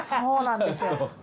そうなんです。